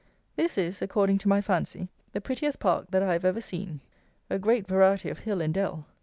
This is, according to my fancy, the prettiest park that I have ever seen. A great variety of hill and dell.